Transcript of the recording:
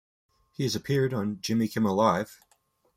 He has appeared on Jimmy Kimmel Live!